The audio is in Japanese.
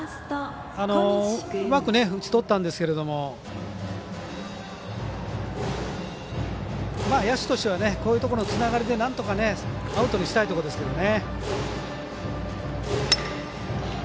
うまく打ちとったんですけれども野手としてはこういうところのつながりでアウトにしたいところですけどね。